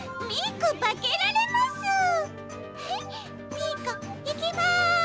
ミーコいきます！